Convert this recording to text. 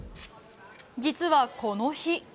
実はこの日。